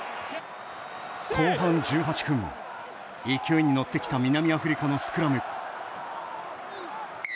後半１８分、勢いに乗ってきた南アフリカのスクラム。